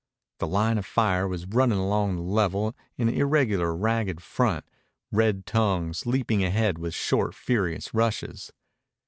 The line of fire was running along the level in an irregular, ragged front, red tongues leaping ahead with short, furious rushes.